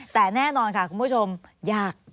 แต่แน่นอนค่ะคุณผู้ชมยาก